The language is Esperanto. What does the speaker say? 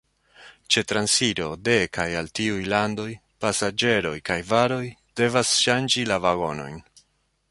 Ĉe transiro de kaj al tiuj landoj pasaĝeroj kaj varoj devas ŝanĝi la vagonojn.